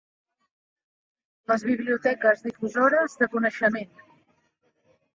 Les biblioteques, difusores de coneixement.